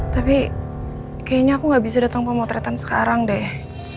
tapi kayaknya aku gak bisa datang pemotretan sekarang deh